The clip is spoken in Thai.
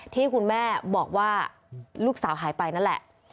ที่คุณแม่บอกว่าลูกสาวหายไปนั่นแหละ